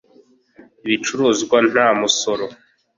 Ibicuruzwa nta musoro